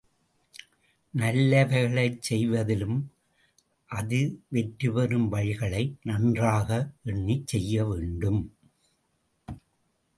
நல்லவைகளைச் செய்வதிலும் அது வெற்றி பெறும் வழிகளை நன்றாக எண்ணிச் செய்யவேண்டும்.